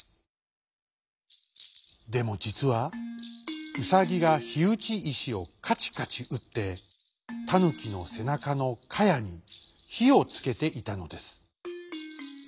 でもじつはウサギがひうちいしをカチカチうってタヌキのせなかのかやにひをつけていたのです。